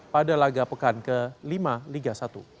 pada laga pekan ke lima liga satu